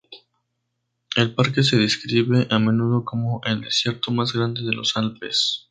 El parque se describe a menudo como "el desierto más grande de los Alpes".